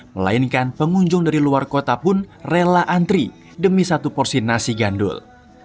melainkan pengunjung dari luar kota pun rela antri demi satu porsi nasi gandul